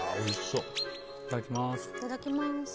いただきます。